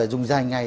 dùng dài ngày